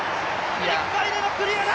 １回でのクリアだ！